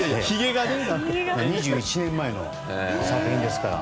２１年前の作品ですから。